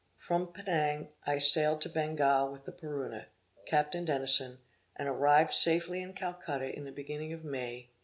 From Penang I sailed to Bengal with the Paruna, Captain Denison, and arrived safely in Calcutta in the beginning of May, 1806.